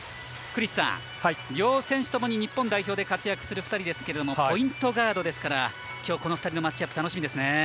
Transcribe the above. クリスさん、両選手ともに日本で活躍する２人ですけどポイントガードですからこの２人のマッチアップ楽しみですね。